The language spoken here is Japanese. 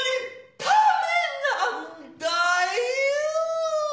・ためなんだよ